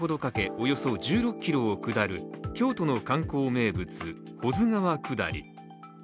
およそ１６ｋｍを下る京都の観光名物保津川下り。